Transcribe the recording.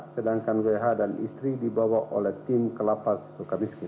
sedangkan bh dan istri dibawa oleh tim kelapa suka miskin